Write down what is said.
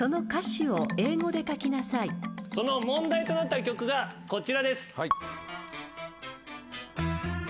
その問題となった曲がこちらです。